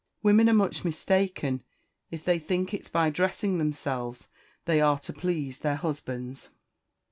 Women are much mistaken if they think it's by dressing themselves they are to please their husbands."